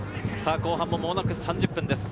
後半、間もなく３０分です。